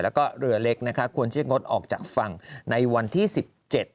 แล้วก็เรือเล็กนะคะควรจะงดออกจากฝั่งในวันที่สิบเจ็ด